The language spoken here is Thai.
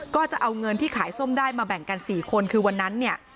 ก็จะเอาเงินที่ขายส้มได้มาแบ่งกัน๔คนคือวันนั้นเนี่ย